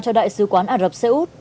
cho đại sứ quán ả rập xê út